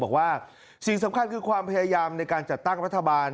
บอกว่าสิ่งสำคัญคือความพยายามในการจัดตั้งรัฐบาล